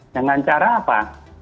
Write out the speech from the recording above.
dengan cara apa